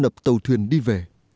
tập nập tàu thuyền đi về